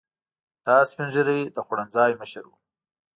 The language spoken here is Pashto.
دا سپین ږیری د خوړنځای مشر و.